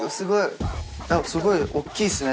すごい大きいっすね